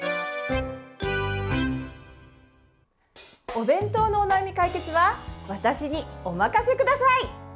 お弁当のお悩み解決は私にお任せください！